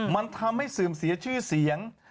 มันทำให้เสื่อมเสียชื่อเสียง